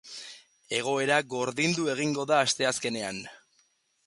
Egoera gordindu egingo da asteazkenean.